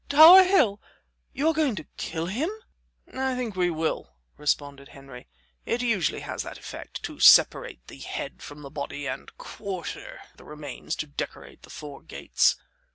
Tower Hill?... You are going to kill him?" "I think we will," responded Henry; "it usually has that effect, to separate the head from the body and quarter the remains to decorate the four gates.